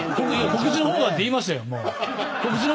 「告知の方が」って言いましたよ。